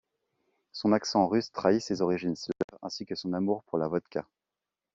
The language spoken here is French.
Son accent russe trahit ses origines slaves ainsi que son amour pour la vodka.